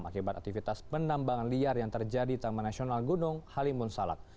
akibat aktivitas penambangan liar yang terjadi di taman nasional gunung halimun salak